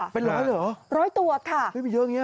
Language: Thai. เป็นร้อยเหรอไม่มีเชิงอย่างนี้ค่ะ